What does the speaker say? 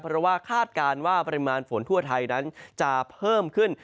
เพราะว่าคาดการณ์ว่าปริมาณฝนทั่วไทยนั้นจะเพิ่มขึ้น